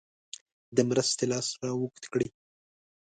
د مرستې لاس را اوږد کړي.